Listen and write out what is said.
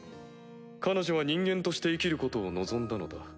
彼女は人間として生きることを望んだのだ。